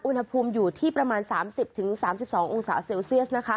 อุณหภูมิอยู่ที่ประมาณ๓๐๓๒องศาเซลเซียสนะคะ